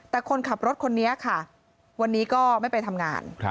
แต่คนขับรถคนนี้ค่ะวันนี้ก็ไม่ไปทำงาน